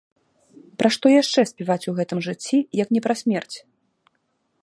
Пра што яшчэ спяваць у гэтым жыцці, як не пра смерць?